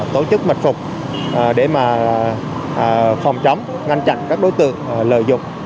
tổ chức mệnh phục để mà phòng chống ngăn chặn các đối tượng lợi dụng